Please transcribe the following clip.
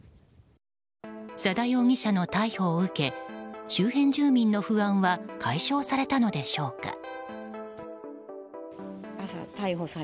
佐田容疑者の逮捕を受け周辺住民の不安は解消されたのでしょうか。